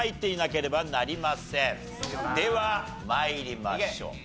では参りましょう。